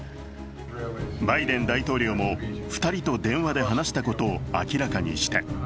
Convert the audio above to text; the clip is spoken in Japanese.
バイデン大統領も２人と電話で話したことを明らかにした。